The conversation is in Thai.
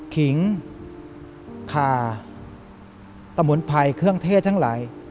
ขิงคาสมุนไพรเครื่องเทศทั้งหลาย